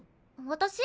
私？